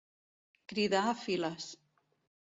Cridar a files.